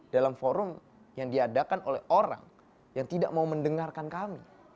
dalam forum yang diadakan oleh orang yang tidak mau mendengarkan kami